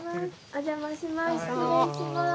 お邪魔します。